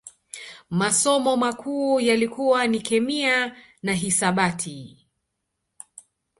Masomo makuu yalikuwa ni Kemia na Hisabati